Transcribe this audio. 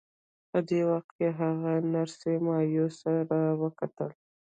په دې وخت کې هغې نرسې مایوسه را وکتل